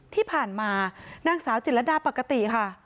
ที่ผ่านมานางสาวจิตรดาปกติค่ะ